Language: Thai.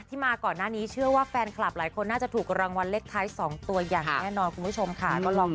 มาก่อนหน้านี้เชื่อว่าแฟนคลับหลายคนน่าจะถูกรางวัลเลขท้าย๒ตัวอย่างแน่นอนคุณผู้ชมค่ะ